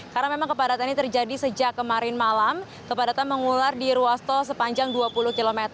karena memang kepadatan ini terjadi sejak kemarin malam kepadatan mengular di ruas tol sepanjang dua puluh km